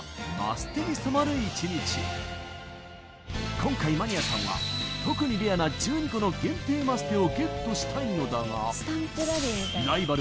今回マニアさんは特にレアな１２個の限定マステをゲットしたいのだがライバル